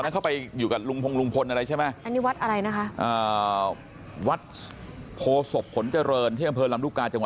เขาเป็นปู่อะไรคะตอนนี้เป็นพระแล้ว